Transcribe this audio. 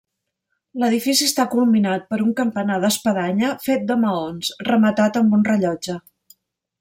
L'edifici està culminat per un campanar d'espadanya fet de maons, rematat amb un rellotge.